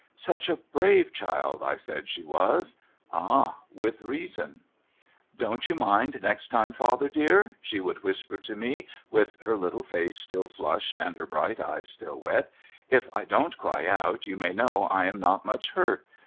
Such a brave child I said she was ! Ah ! with reason, ' Don't you mind next time, father dear,' she would whisper to me, with her little face still flushed, and her bright eyes still wet ;' if I don't cry out, you may know I am not much hurt.